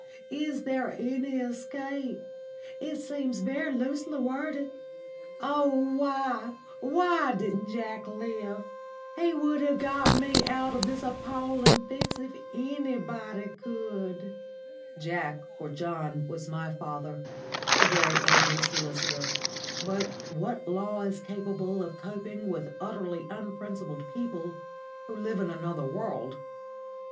Is there any escape? It seems very loosely worded. Oh why, why didn't Jack live? He would have got me out of this appalling fix if anybody could." Jack, or John, was my father a very able solicitor; but what law is capable of coping with utterly unprincipled people who live in another world?